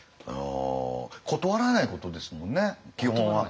断らないことですもんね基本は。